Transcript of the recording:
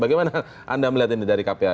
bagaimana anda melihat ini dari kpa